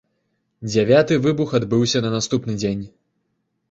Дзявяты выбух адбыўся на наступны дзень.